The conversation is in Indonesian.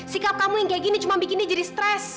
sikap kamu yang kayak gini cuma bikinnya jadi stres